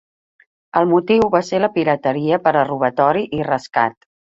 El motiu va ser la pirateria per a robatori i rescat.